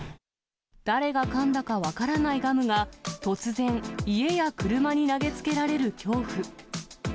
誰がかんだか分からないガムが、突然、家や車に投げつけられる恐怖。